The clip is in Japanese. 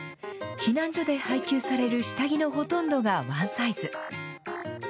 避難所で配給される下着のほとんどがワンサイズ。